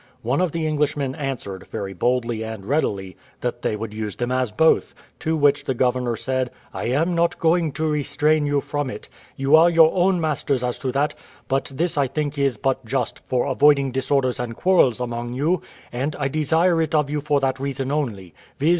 One of the Englishmen answered, very boldly and readily, that they would use them as both; to which the governor said: "I am not going to restrain you from it you are your own masters as to that; but this I think is but just, for avoiding disorders and quarrels among you, and I desire it of you for that reason only, viz.